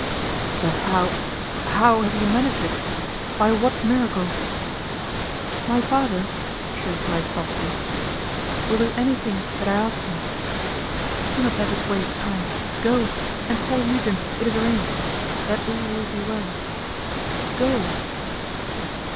'But how how have you managed it? By what miracle?' 'My father,' she replied softly, 'will do anything that I ask him. Do not let us waste time. Go and tell Eugen it is arranged, that all will be well. Go!